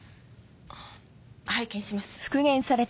拝見します。